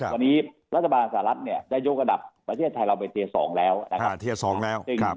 วันนี้รัฐบาลสหรัฐเนี่ยได้ยกระดับประเทศไทยเราไปเทียร์๒แล้วนะครับ